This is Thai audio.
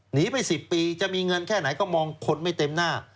หนีไป๑๐ปีจะมีเงินแค่ไหนก็มองคนไม่เต็มหน้า